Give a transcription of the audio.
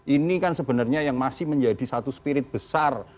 ini kan sebenarnya yang masih menjadi satu spirit besar